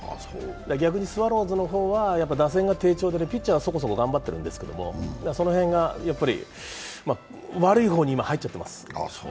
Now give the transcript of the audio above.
逆にスワローズの方は打線が低調で、ピッチャーはそこそこ頑張ってるんですけど、その辺がやっぱり悪い方に今、入っちゃってます。